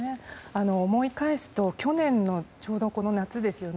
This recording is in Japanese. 思い返すと、去年のちょうど、この夏ですよね。